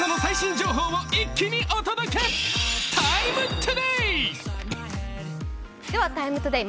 「ＴＩＭＥ，ＴＯＤＡＹ」